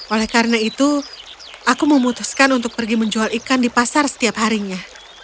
oleh karena itu aku memutuskan untuk pergi menjual ikan di pasar setiap harinya